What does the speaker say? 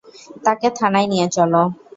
তাকে থানায় নিয়ে চলো।